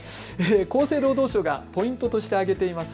厚生労働省がポイントとして挙げています。